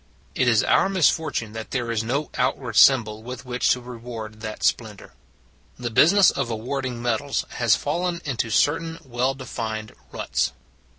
It is our misfortune that there is no out ward symbol with which to reward that splendor. The business of awarding medals has fallen into certain well defined ruts.